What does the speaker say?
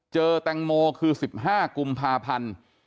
เจอแตงโมคือ๑๕กุมภาพันธ์